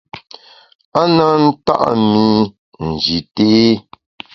A na nta’ mi Nji té.